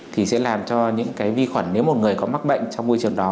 thì sẽ làm cho những cái vi khuẩn nếu một người có mắc bệnh trong môi trường đó